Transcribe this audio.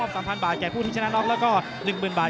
มอบสามพันบาทผู้ที่ชนะนอกแล้วก็หนึ่งหมื่นบาท